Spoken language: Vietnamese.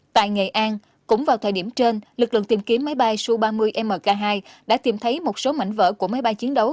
tại nghệ an cũng vào thời điểm trên lực lượng tìm kiếm máy bay su ba mươi mk hai đã tìm thấy một số mảnh vỡ của máy bay chiến đấu